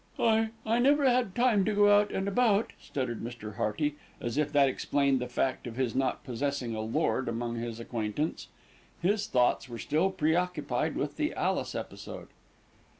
"I I never had time to go out and about," stuttered Mr. Hearty, as if that explained the fact of his not possessing a lord among his acquaintance. His thoughts were still preoccupied with the Alice episode.